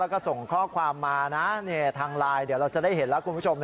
แล้วก็ส่งข้อความมานะทางไลน์เดี๋ยวเราจะได้เห็นแล้วคุณผู้ชม